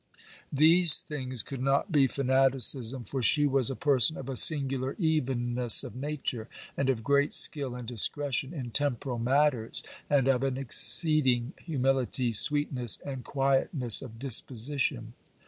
These things could not be fanaticism, for she was a person of a singular evenness of nature, and of great skill and discretion in temporal matters, and of an exceeding humility, sweetness, and quietness of disposition.